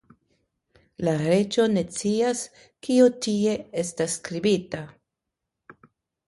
La reĝo ne scias, kio tie estas skribita!